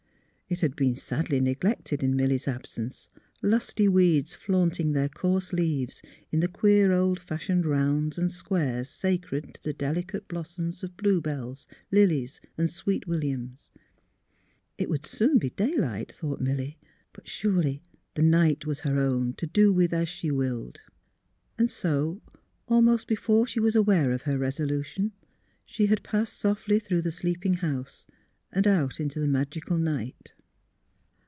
It had been sadly neglected in Milly 's absence, lusty weeds flaunting their coarse leaves in the queer old fashioned rounds and squares sacred to the delicate blossoms of bluebells, lilies, and sweet williams. It would .soon be daylight (thought Milly), but surely the night was her own to do with as she willed. — And so, almost before she :was aware of her resolution, she had passed softly through the sleeping house and out into the magical night.